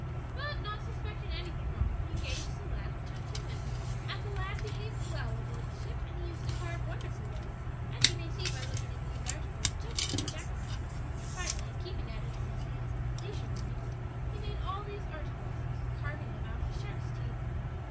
But not suspecting anything wrong, he engaged the lad, and took him with him on the voyage. "And the lad behaved well aboard the ship, and he used to carve wonderfully well as you may see by looking at these articles just with a jack knife, and finally keeping at it in his leisure moments he made all these articles, carving them out of sharks' teeth.